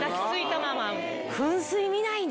噴水見ないね。